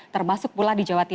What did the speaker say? termasuk pula di jawa timur